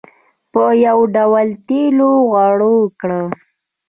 په یو ډول تېلو غوړ کړ.